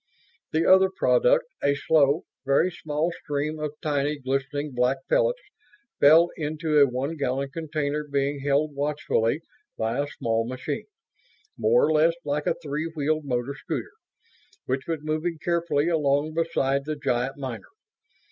The other product, a slow, very small stream of tiny, glistening black pellets, fell into a one gallon container being held watchfully by a small machine, more or less like a three wheeled motor scooter, which was moving carefully along beside the giant miner.